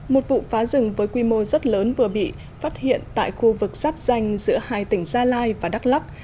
một vụ phá rừng với quy mô rất lớn vừa bị phát hiện tại khu vực giáp danh giữa hai tỉnh gia lai và đắk lắc